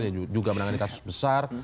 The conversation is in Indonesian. yang juga menangani kasus besar